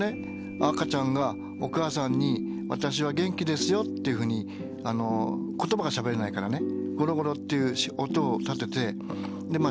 赤ちゃんがお母さんに「私は元気ですよ」っていうふうに言葉がしゃべれないからねゴロゴロっていう音を立ててまあ